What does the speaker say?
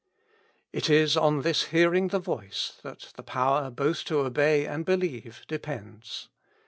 It is on this hearing the voice, that the power both to obey and believe depends.